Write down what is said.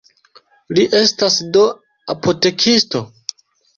Li estas do apotekisto?